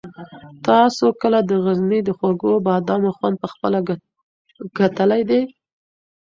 تاسو کله د غزني د خوږو بادامو خوند په خپله کتلی دی؟